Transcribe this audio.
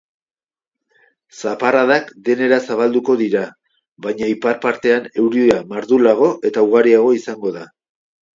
Zaparradak denera zabalduko dira baina ipar partean euria mardulagoa eta ugariagoa izango da.